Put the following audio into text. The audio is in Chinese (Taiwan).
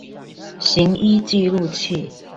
行醫記錄器